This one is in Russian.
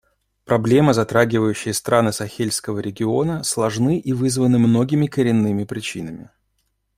Проблемы, затрагивающие страны Сахельского региона, сложны и вызваны многими коренными причинами.